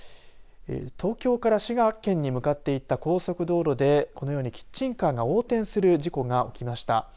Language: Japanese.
東京から滋賀県に向かっていた高速道路でこのようにキッチンカーが横転する事故が起きました。